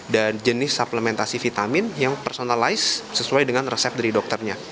dan jenis suplementasi vitamin yang personalis sesuai dengan resep dari dokternya